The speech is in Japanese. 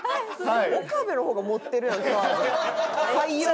岡部の方が持ってるやんカード。